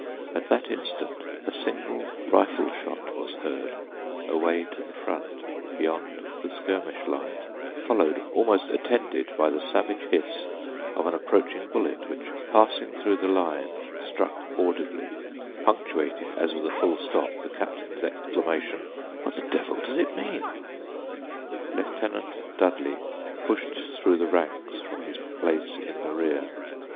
At that instant a single rifle shot was heard, away to the front, beyond the skirmish line, followed, almost attended, by the savage hiss of an approaching bullet which passing through the line, struck audibly, punctuating as with a full stop the captain's exclamation, "What the devil does it mean?" Lieutenant Dudley pushed through the ranks from his place in the rear.